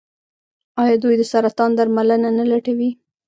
آیا دوی د سرطان درملنه نه لټوي؟